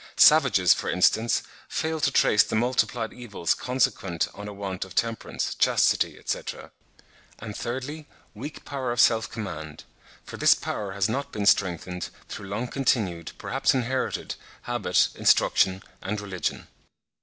Savages, for instance, fail to trace the multiplied evils consequent on a want of temperance, chastity, etc. And, thirdly, weak power of self command; for this power has not been strengthened through long continued, perhaps inherited, habit, instruction and religion.